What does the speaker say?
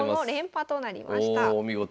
お見事。